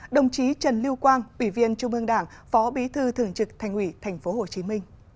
đồng chí trần lưu quang ủy viên trung ương đảng phó bí thư thường trực thành ủy tp hcm